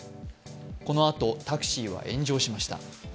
このあとタクシーは炎上しました。